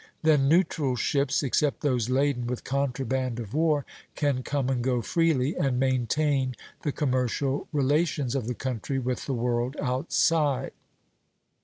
Then neutral ships, except those laden with contraband of war, can come and go freely, and maintain the commercial relations of the country with the world outside.